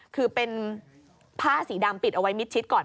คือเป็นผ้าสีดำปิดเอาไว้มิดชิดก่อน